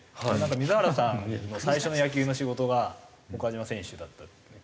水原さんの最初の野球の仕事が岡島選手だったっていうのを聞いて。